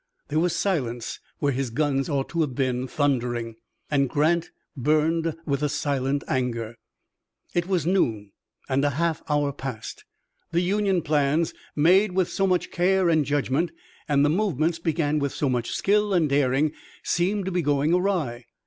There was silence where his guns ought to have been thundering, and Grant burned with silent anger. It was noon, and a half hour past. The Union plans, made with so much care and judgment, and the movements begun with so much skill and daring seemed to be going awry.